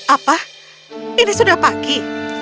apa ini sudah pagi